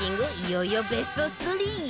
いよいよベスト３